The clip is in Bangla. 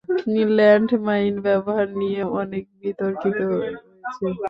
ল্যান্ড মাইন ব্যবহার নিয়ে অনেক বিতর্কিত রয়েছে।